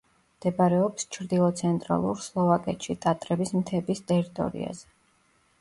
მდებარეობს ჩრდილო-ცენტრალურ სლოვაკეთში, ტატრების მთების ტერიტორიაზე.